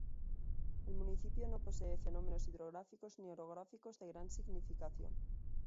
El municipio no posee fenómenos hidrográficos ni orográficos de gran significación.